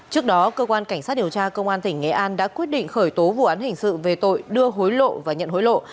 trước đó cơ quan cảnh sát điều tra công an tỉnh nghệ an đã quyết định khởi tố vụ án hình sự về tội đưa hối lộ và nhận hối lộ